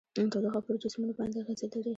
تودوخه پر جسمونو باندې اغیزې لري.